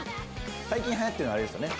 最近流行ってるのあれですよね。